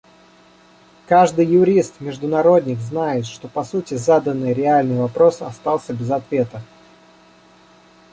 Каждый юрист-международник знает, что, по сути, заданный реальный вопрос остался без ответа.